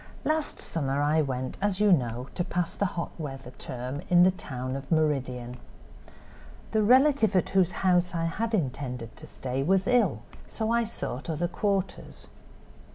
"Last summer I went, as you know, to pass the hot weather term in the town of Meridian. The relative at whose house I had intended to stay was ill, so I sought other quarters.